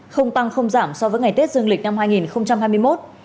không tăng không giảm so với ngày tết dương lịch năm hai nghìn hai mươi một